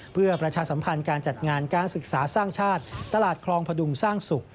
เพื่อประชาสัมพันธ์การจัดงานการศึกษาสร้างชาติตลาดคลองพดุงสร้างสุข